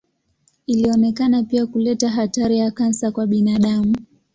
Ilionekana pia kuleta hatari ya kansa kwa binadamu.